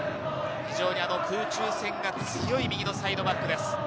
非常に空中戦が強い右のサイドバックです。